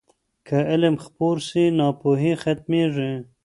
که علم خپور سي، ناپوهي ختمېږي.